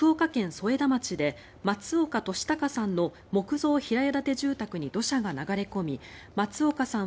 添田町で松岡俊孝さんの木造平屋建て住宅に土砂が流れ込み松岡さん